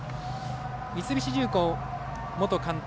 三菱重工元監督